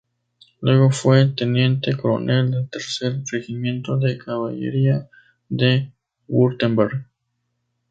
Luego fue Teniente Coronel del tercer regimiento de caballería de Wurtemberg.